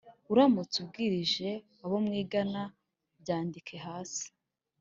uramutse ubwirije abo mwigana Byandike hasi